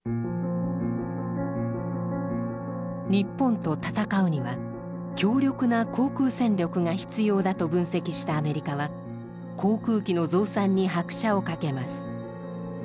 日本と戦うには強力な航空戦力が必要だと分析したアメリカは航空機の増産に拍車をかけます。